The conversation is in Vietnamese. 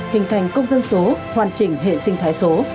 hình thành công dân số hoàn chỉnh hệ sinh thái số